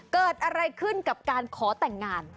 เกิดอะไรขึ้นกับการขอแต่งงาน